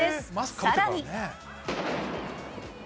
さらに。